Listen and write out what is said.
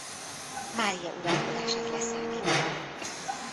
Mária uralkodását leszámítva.